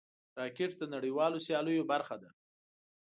راکټ د نړیوالو سیالیو برخه ده